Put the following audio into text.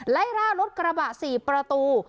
ไล่ล่ารถกระบะ๔ประตู